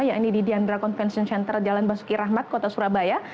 yang ini di diandra convention center jalan basuki rahmat kota surabaya